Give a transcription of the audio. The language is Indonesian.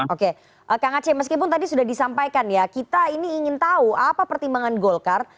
oke kang aceh meskipun tadi sudah disampaikan ya kita ini ingin tahu apa pertimbangan golkar